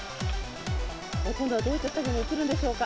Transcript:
今度はどういった作業に移るんでしょうか。